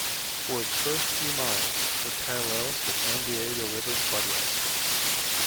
For its first few miles, it parallels the San Diego River floodway.